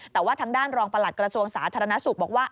แต่ว่าทางด้านรองประหลัดกระทรวงสาธารณสุขบอกว่า